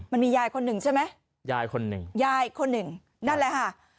มันมียายคนหนึ่งใช่ไหมยายคนหนึ่งยายคนหนึ่งนั่นแหละค่ะ